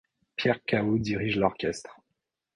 Pierre Cao dirige l'orchestre.